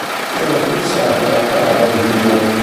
Sono fissati alla pala del timone.